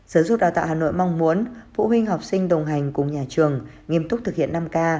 sở dục đào tạo hà nội mong muốn phụ huynh học sinh đồng hành cùng nhà trường nghiêm túc thực hiện năm k